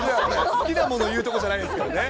好きなものを言うところじゃないですからね。